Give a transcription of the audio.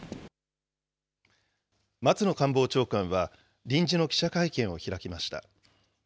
松野官房長官は、臨時の記者会見を開きました。